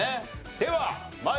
では参りましょう。